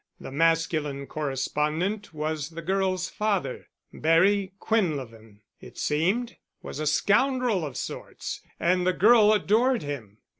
The masculine correspondent was the girl's father. Barry Quinlevin, it seemed, was a scoundrel of sorts—and the girl adored him.